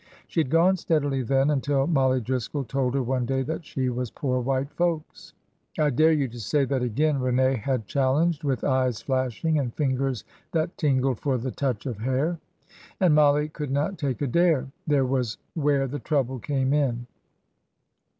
She had gone steadily then until Mollie Driscoll told her one day that she was poor white folks." " I dare you to say that again !" Rene had challenged, with eyes flashing and fingers that tingled for the touch of hair. And Mollie could not take a dare. There was where the trouble came in.